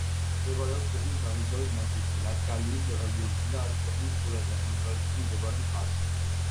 მდებარეობს ქვეყნის აღმოსავლეთ ნაწილში, ლატგალიის რეგიონში და არის ქვეყნის ყველაზე აღმოსავლეთით მდებარე მხარე.